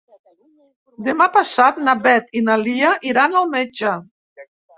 Demà passat na Beth i na Lia iran al metge.